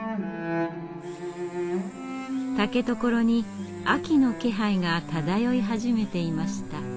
竹所に秋の気配が漂い始めていました。